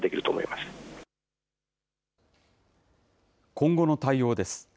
今後の対応です。